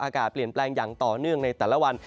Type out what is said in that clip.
อากาศเปลี่ยนแปลงอย่างต่อเนื่องในแต่ละวัน